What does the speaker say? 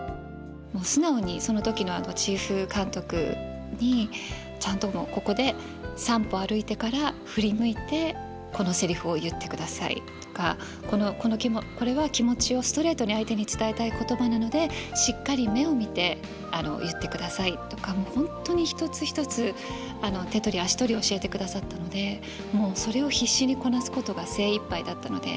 もう素直にその時のチーフ監督にちゃんともう「ここで３歩歩いてから振り向いてこのセリフを言ってください」とか「これは気持ちをストレートに相手に伝えたい言葉なのでしっかり目を見て言ってください」とかもう本当に一つ一つ手取り足取り教えてくださったのでもうそれを必死にこなすことが精いっぱいだったので。